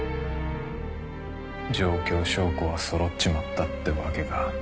状況証拠はそろっちまったってわけか。